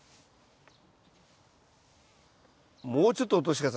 もうちょっと落として下さい。